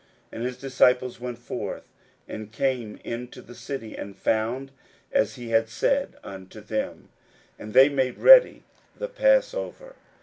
41:014:016 And his disciples went forth, and came into the city, and found as he had said unto them: and they made ready the passover.